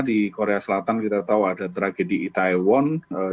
di korea selatan kita tahu ada tragedi di taiwan